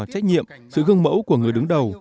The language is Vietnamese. trách nhiệm sự gương mẫu của người đứng đầu